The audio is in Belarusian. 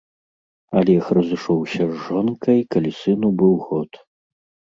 Алег разышоўся з жонкай, калі сыну быў год.